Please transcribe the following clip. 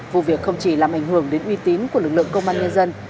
vụ việc không chỉ làm ảnh hưởng đến uy tín của lực lượng công an nhân dân